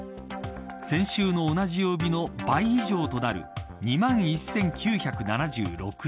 先週の同じ曜日の倍以上となる２万１９７６人。